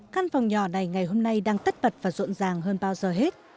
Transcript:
căn phòng nhỏ này ngày hôm nay đang tất bật và rộn ràng hơn bao giờ hết